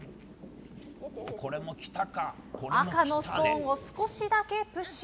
赤のストーンを少しだけプッシュ。